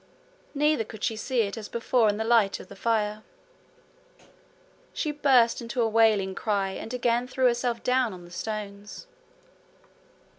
Neither could she see it as before in the light of the fire. She burst into a wailing cry, and again threw herself down on the stones.